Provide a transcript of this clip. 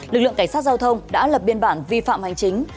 lực lượng cảnh sát giao thông đã lập biên bản vi phạm hành chính